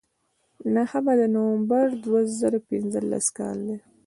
نهمه د نومبر دوه زره پینځلس کال دی.